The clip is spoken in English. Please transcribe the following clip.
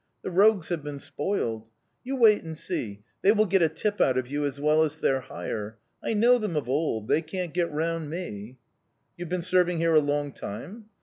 The rogues have been spoiled! You wait and see: they will get a tip out of you as well as their hire. I know them of old, they can't get round me!" "You have been serving here a long time?"